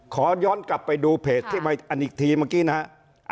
ขอย้อนกลับไปดูเพจที่มาอันอีกทีเมื่อกี้นะฮะ